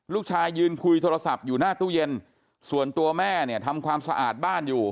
ยืนคุยโทรศัพท์อยู่หน้าตู้เย็นส่วนตัวแม่เนี่ยทำความสะอาดบ้านอยู่